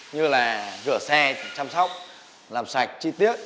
như là rửa xe chăm sóc làm sạch chi tiết